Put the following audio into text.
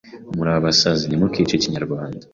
muri aba sazi nimukice icyinyarwanda